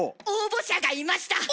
応募者がいました。